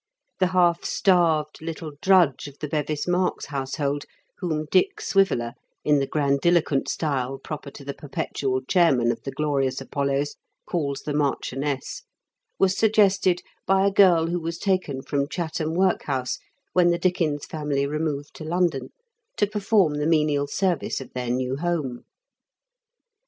The half starved little drudge of the Bevis Marks household, whom Dick Swiveller, in the grandiloquent style proper to the Perpetual Chairman of the Glorious ApoUos, calls the Marchioness, was suggested by a girl who was taken from Chatham work house, when the Dickens family removed to London, to perform the menial service of their new home.